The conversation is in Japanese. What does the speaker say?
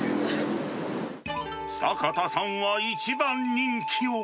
坂田さんは一番人気を。